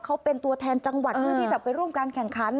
เขาเป็นตัวแทนจังหวัดเพื่อที่จะไปร่วมการแข่งขัน